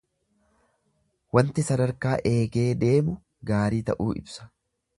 Wanti sadarkaa eegee deemu gaarii ta'uu ibsa.